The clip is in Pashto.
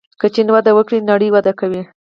که چین وده وکړي نړۍ وده کوي.